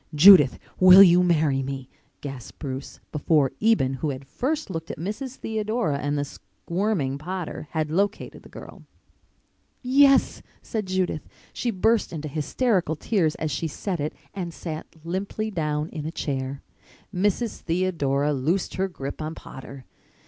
"Judith, will you marry me?" gasped Bruce, before Eben, who had first looked at Mrs. Theodora and the squirming Potter, had located the girl. "Yes," said Judith. She burst into hysterical tears as she said it and sat limply down in a chair. Mrs. Theodora loosed her grip on Potter.